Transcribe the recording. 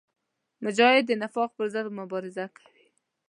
مجاهد د نفاق پر ضد مبارزه کوي.